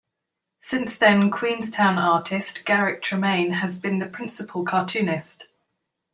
Since then Queenstown artist Garrick Tremain has been the principal cartoonist.